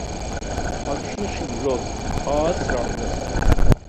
Аҽнышьыбжьон, ҳааҵраҟны!